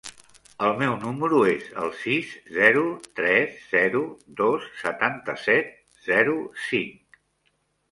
El meu número es el sis, zero, tres, zero, dos, setanta-set, zero, cinc.